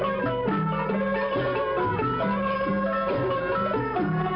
จบแล้วตรงโปรดอกพี่กุญทองท่านราชธานแด่พระบรมวงศานุวงศ์